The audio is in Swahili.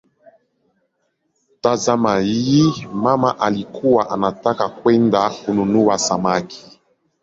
Tazama hii: "mama alikuwa anataka kwenda kununua samaki".